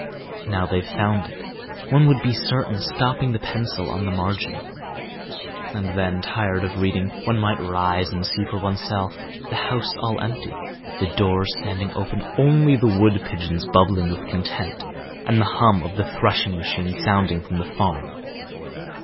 "Now they've found it," one would be certain, stopping the pencil on the margin. And then, tired of reading, one might rise and see for oneself, the house all empty, the doors standing open, only the wood pigeons bubbling with content and the hum of the threshing machine sounding from the farm.